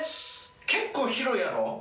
結構広いやろ？